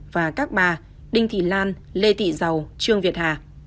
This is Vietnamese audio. và các bà đinh thị lan lê thị giàu trương việt hà